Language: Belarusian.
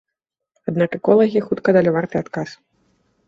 Аднак эколагі хутка далі варты адказ.